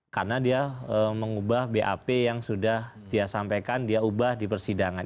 karena dia mengubah bap yang sudah dia sampaikan dia ubah di persidangan